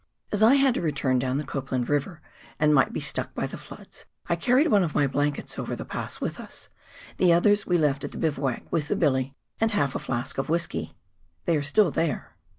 As I had to return down the Copland River, and might be stuck by the floods, I carried one of my blankets over the pass with us, the others we left at the bivouac with the billy and half a flask of whisky — they are still there.